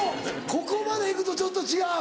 ここまでいくとちょっと違う。